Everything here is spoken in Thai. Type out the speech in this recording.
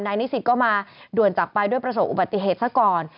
นิสิตก็มาด่วนจากไปด้วยประสบอุบัติเหตุซะก่อน